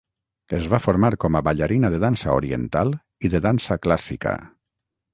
Es va formar com a ballarina de dansa oriental i de dansa clàssica.